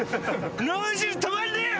脳汁止まんねえよ。